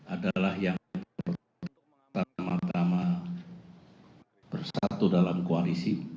adalah yang pertama tama bersatu dalam koalisi